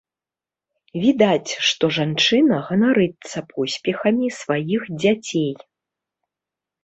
Відаць, што жанчына ганарыцца поспехамі сваіх дзяцей.